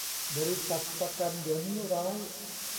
บริษัทประกันเดี๋ยวนี้ร้าย